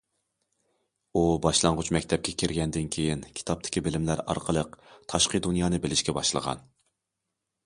ئۇ باشلانغۇچ مەكتەپكە كىرگەندىن كېيىن، كىتابتىكى بىلىملەر ئارقىلىق تاشقى دۇنيانى بىلىشكە باشلىغان.